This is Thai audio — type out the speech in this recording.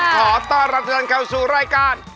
ขอต้อนรับท่านเข้าสู่รายการ